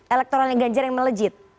elektoralnya ganjar yang melejit